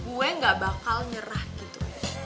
gue gak bakal nyerah gitu